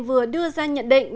vừa đưa ra nhận định